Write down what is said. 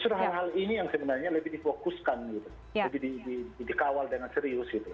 sudah hal hal ini yang sebenarnya lebih difokuskan lebih dikawal dengan serius